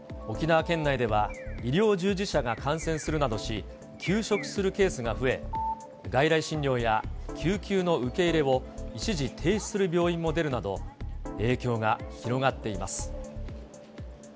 沖縄県内では、医療従事者が感染するなどし、休職するケースが増え、外来診療や救急の受け入れを一時停止する病院も出るなど、影響が広がっています。